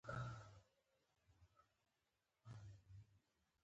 یا د جنېټیکي عواملو په پایله کې ستونزه لري.